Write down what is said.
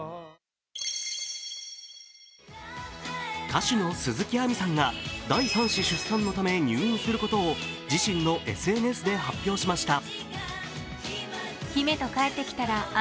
歌手の鈴木亜美さんが第３子出産のため入院することを自身のＳＮＳで発表しました。